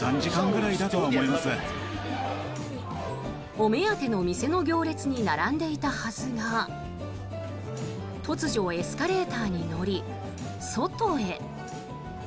お目当ての店の行列に並んでいたはずが突如、エスカレーターに乗り外へ。